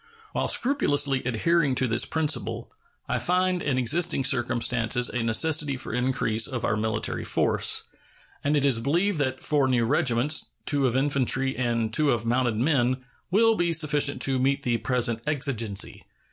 While scrupulously adhering to this principle, I find in existing circumstances a necessity for increase of our military force, and it is believed that four new regiments, two of infantry and two of mounted men, will be sufficient to meet the present exigency.